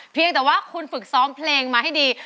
เพียงแต่ว่าคุณฝึกซ้อมเพลงมาให้ดี